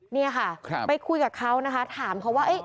นี่ค่ะไปคุยกับเขานะคะถามเขาว่า